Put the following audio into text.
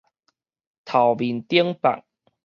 頭面頂百